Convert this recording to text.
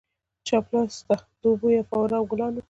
چپ لاسته د اوبو یوه فواره او ګلان وو.